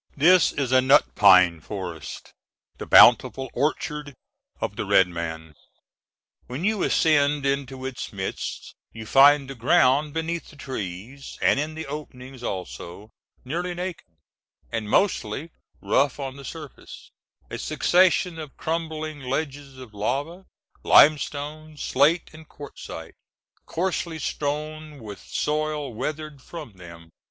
This is a nut pine forest, the bountiful orchard of the red man. When you ascend into its midst you find the ground beneath the trees, and in the openings also, nearly naked, and mostly rough on the surface—a succession of crumbling ledges of lava, limestones, slate, and quartzite, coarsely strewn with soil weathered from them.